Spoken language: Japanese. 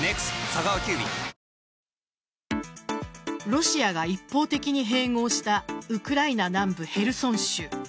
ロシアが一方的に併合したウクライナ南部・ヘルソン州。